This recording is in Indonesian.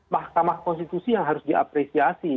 mahkamah konstitusi yang harus diapresiasi